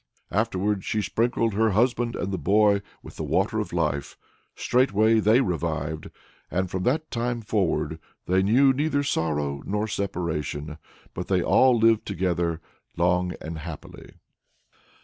Afterwards she sprinkled her husband and her boy with the water of life: straightway they revived. And from that time forward they knew neither sorrow nor separation, but they all lived together long and happily.